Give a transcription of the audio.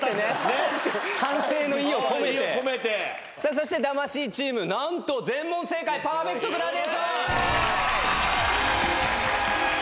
そして魂チームなんと全問正解パーフェクトグラデーション。